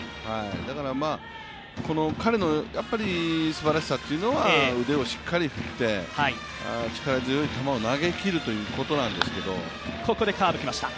だから彼のすばらしさというのは腕をしっかり振って、力強い球を投げきるということなんですけど。